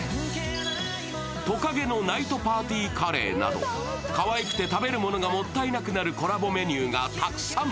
とかげのナイトパーティーカレーなどかわいくて食べるのがもったいなくなるコラボメニューがたくさん。